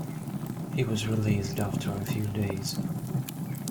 He was released after a few days.